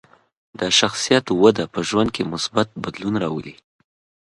د شخصیت وده په ژوند کې مثبت بدلون راولي.